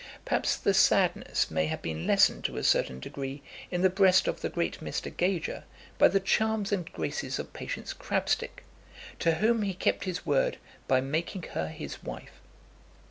Perhaps the sadness may have been lessened to a certain degree in the breast of the great Mr. Gager by the charms and graces of Patience Crabstick, to whom he kept his word by making her his wife.